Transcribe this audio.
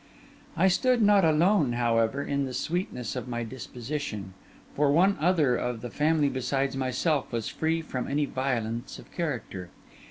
I stood not alone, however, in the sweetness of my disposition; for one other of the family besides myself was free from any violence of character.